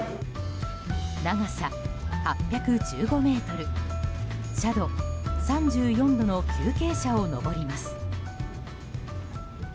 長さ８１５ｍ、斜度３４度の急傾斜を上ります。